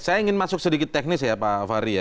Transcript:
saya ingin masuk sedikit teknis ya pak fahri ya